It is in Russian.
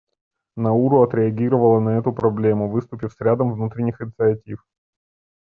Науру отреагировала на эту проблему, выступив с рядом внутренних инициатив.